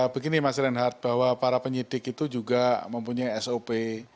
begini mas reinhardt bahwa para penyidik itu juga mempunyai sop